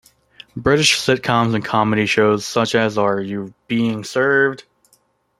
British sitcoms and comedy shows such as Are You Being Served?